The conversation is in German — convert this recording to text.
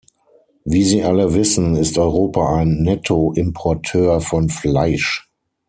Wie Sie alle wissen ist Europa ein Nettoimporteur von Fleisch.